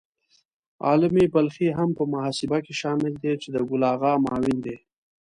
عالمي بلخي هم په محاسبه کې شامل دی چې د ګل آغا معاون دی.